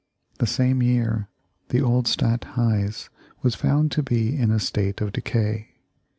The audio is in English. The same year the old Stadt Huys was found to be in a state of decay.